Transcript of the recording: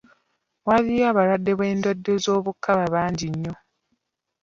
Waliyo abalwadde b'endwadde z'obukaba bangi nnyo.